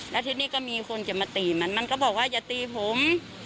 แล้วทีนี้ก็มีคนจะมาตีมันมันก็บอกว่าอย่าตีผม